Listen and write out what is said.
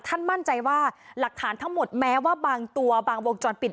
มั่นใจว่าหลักฐานทั้งหมดแม้ว่าบางตัวบางวงจรปิด